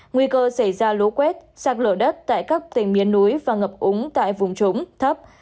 nguy cơ xảy ra lố quét sạc lửa đất tại các tỉnh miền núi và ngập úng tại vùng trống thấp